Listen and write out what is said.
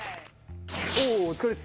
お疲れっす！